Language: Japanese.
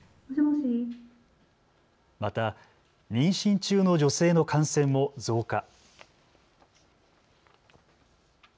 また妊娠中の女性の感染も増加。